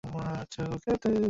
দিবারাত্র কাজ, কাজ, কাজ।